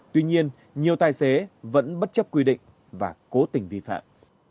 tuy nhiên nhiều tài xế vẫn bất chấp quy định và cố tình vi phạm